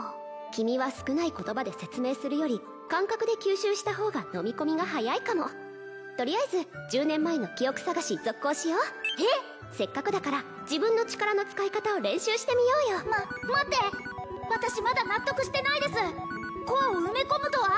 君は少ない言葉で説明するより感覚で吸収した方が飲み込みが早いかもとりあえず１０年前の記憶探し続行しようせっかくだから自分の力の使い方を練習してみようよま待って私まだ納得してないですコアを埋め込むとは？